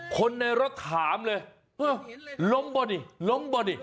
คนในรถถามเลยล้มบ่ะนี่ล้มบ่ะนี่